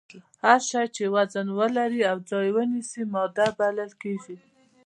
هر هغه شی چې وزن ولري او ځای ونیسي ماده بلل کیږي